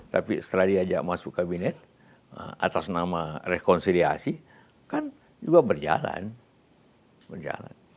tapi setelah diajak masuk kabinet atas nama rekonsiliasi kan juga berjalan